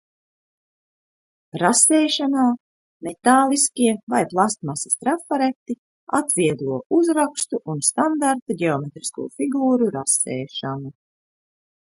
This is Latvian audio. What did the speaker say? Rasēšanā metāliskie vai plastmasas trafareti atvieglo uzrakstu un standarta ģeometrisko figūru rasēšanu.